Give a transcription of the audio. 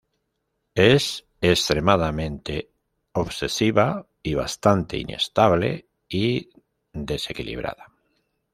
Es extremadamente obsesiva, y bastante inestable y desequilibrada.